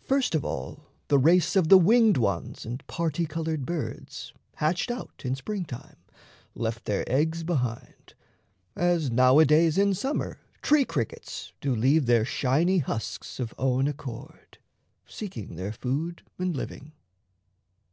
First of all, the race Of the winged ones and parti coloured birds, Hatched out in spring time, left their eggs behind; As now a days in summer tree crickets Do leave their shiny husks of own accord, Seeking their food and living.